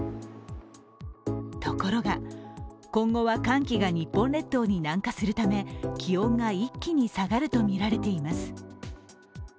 ところが、今後は寒気が日本列島に南下するため気温が一気に下がるとみられています。